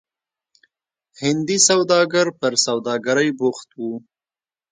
هندي سوداګرو پر سوداګرۍ بوخت وو.